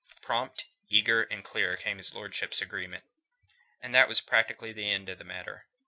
Prompt, eager, and clear came his lordship's agreement. And that was practically the end of the matter.